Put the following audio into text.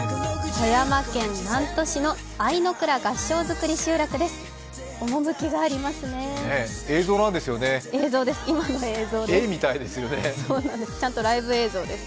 富山県南砺市の相倉合掌造り集落です。